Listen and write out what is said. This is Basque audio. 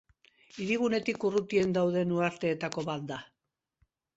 Hirigunetik urrutien dauden uharteetako bat da.